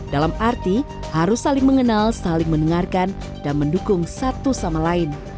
dalam arti harus saling mengenal saling mendengarkan dan mendukung satu sama lain